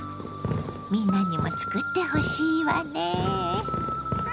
みんなにも作ってほしいわね。